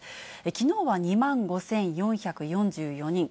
きのうは２万５４４４人。